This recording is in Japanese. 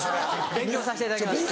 勉強させていただきます。